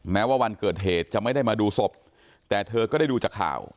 แม้ว่าวันเกิดเหตุจะไม่ได้มาดูศพแต่เธอก็ได้ดูจากข่าว